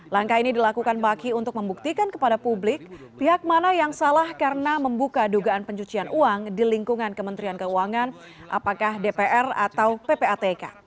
langkah ini dilakukan maki untuk membuktikan kepada publik pihak mana yang salah karena membuka dugaan pencucian uang di lingkungan kementerian keuangan apakah dpr atau ppatk